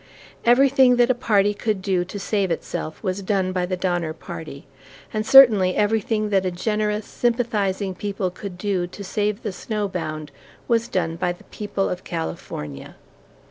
Everything that a party could do to save itself was done by the Donner Party; and certainly everything that a generous, sympathizing people could do to save the snow bound was done by the people of California.